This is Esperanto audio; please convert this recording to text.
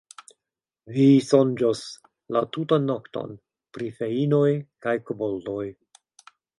Vi sonĝos la tutan nokton pri feinoj kaj koboldoj.